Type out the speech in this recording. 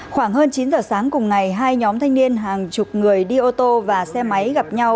khoảng hơn chín giờ sáng cùng ngày hai nhóm thanh niên hàng chục người đi ô tô và xe máy gặp nhau